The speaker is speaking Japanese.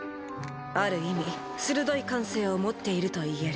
ある意味鋭い感性を持っていると言える。